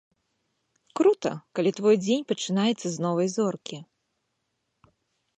Крута, калі твой дзень пачынаецца з новай зоркі.